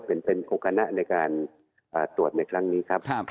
เป็นครูคณะในการตรวจในครั้งนี้ครับ